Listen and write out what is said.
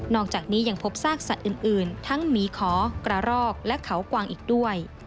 อกจากนี้ยังพบซากสัตว์อื่นทั้งหมีขอกระรอกและเขากวางอีกด้วย